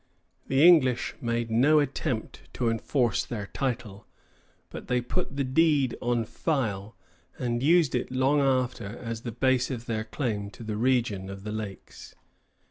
The English made no attempt to enforce their title, but they put the deed on file, and used it long after as the base of their claim to the region of the Lakes.